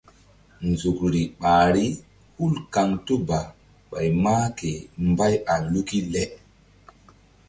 Nzukri ɓahri hul kaŋto ba ɓay mah ke mbay a luk le.